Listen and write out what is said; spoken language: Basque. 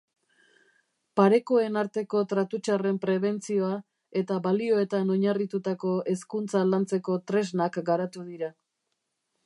Parekoen arteko tratu txarren prebentzioa eta balioetan oinarritutako hezkuntza lantzeko tresnak garatu dira.